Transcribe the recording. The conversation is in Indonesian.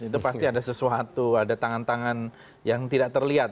itu pasti ada sesuatu ada tangan tangan yang tidak terlihat